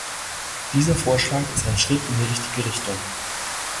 Dieser Vorschlag ist ein Schritt in die richtige Richtung.